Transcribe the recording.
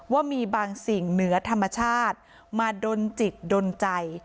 ว่ามีบางสิ่งเหนือธรรมชาติมาดนจิตดนใจ